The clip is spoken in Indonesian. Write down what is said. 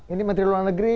ini menteri luar negeri